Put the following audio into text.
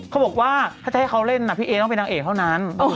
เขาบอกว่าถ้าจะให้เขาเล่นพี่เอ๊ต้องเป็นนางเอกเท่านั้น